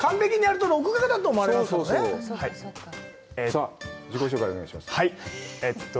さあ、自己紹介をお願いします。